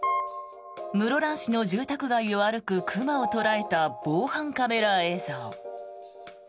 室蘭市の住宅街を歩く熊を捉えた防犯カメラ映像。